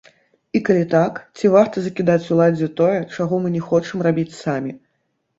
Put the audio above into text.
І калі так, ці варта закідаць уладзе тое, чаго мы не хочам рабіць самі?